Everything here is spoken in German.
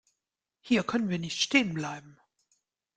Hier können wir nicht stehen bleiben.